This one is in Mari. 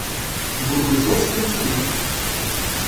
Вургыжеш гын чонет